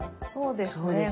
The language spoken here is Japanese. そうですね